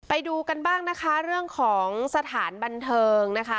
ไปดูกันบ้างนะคะเรื่องของสถานบันเทิงนะคะ